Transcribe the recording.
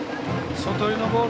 外寄りのボール